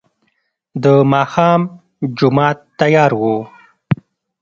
د ماښام جماعت تيار و.